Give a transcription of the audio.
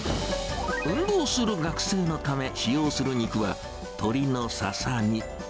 運動する学生のため、使用する肉は鶏のささみ。